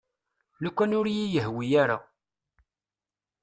Lukan ur iyi-yehwi ara.